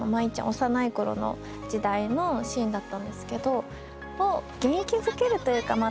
幼い頃の時代のシーンだったんですけど元気づけるというかまあ